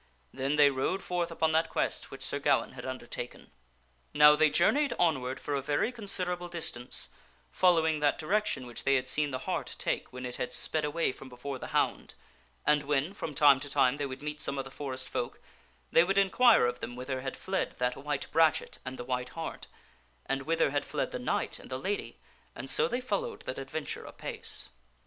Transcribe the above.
Then they rode forth upon that quest which Sir Gawaine had undertaken. Now they journeyed onward for a very considerable distance, following that direction which they had seen the hart take when it had sped away from before the hound, and when/from time to time, they would meet 284 THE STORl OF SIR GAWAINE some of the forest folk, they would inquire of them whither had fled that white brachet and the white hart, and whither had fled the knight and the lady, and so they followed that adventure apace.